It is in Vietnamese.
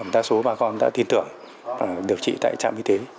đa số bà con đã tin tưởng điều trị tại trạm y tế